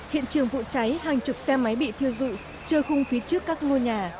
hiện trường vụ cháy hàng chục xe máy bị thiêu dụ trơ khung phía trước các ngôi nhà